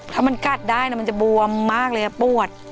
ถ้ามันกัดได้มันจะบวมมากเลยปวด